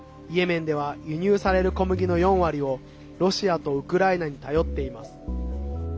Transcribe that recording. イエメンでは輸入される小麦の４割をロシアとウクライナに頼っています。